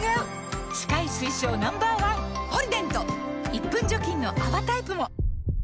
１分除菌の泡タイプも！